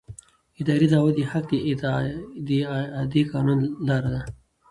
اداري دعوه د حق د اعادې قانوني لاره ده.